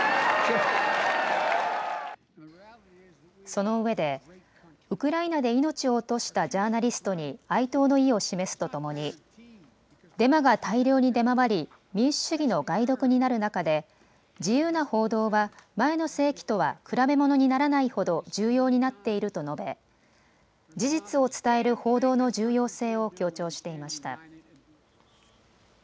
そのうえでウクライナで命を落としたジャーナリストに哀悼の意を示すとともにデマが大量に出回り民主主義の害毒になる中で自由な報道は前の世紀とは比べものにならないほど重要になっていると述べ事実を伝える報道の重要性を強調していました。